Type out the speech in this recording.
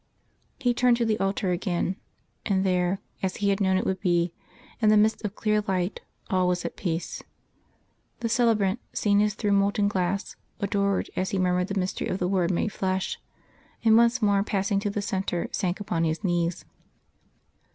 He turned to the altar again, and there, as he had known it would be, in the midst of clear light, all was at peace: the celebrant, seen as through molten glass, adored as He murmured the mystery of the Word made Flesh, and once more passing to the centre, sank upon His knees.